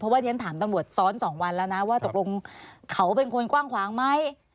เพราะว่าที่ฉันถามตำรวจซ้อน๒วันแล้วนะว่าตกลงเขาเป็นคนกว้างขวางไหม